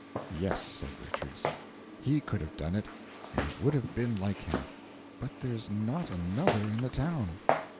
"Yes," said Richards, "he could have done it, and it would have been like him, but there's not another in the town."